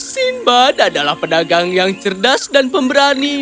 sinbad adalah pedagang yang cerdas dan pemberani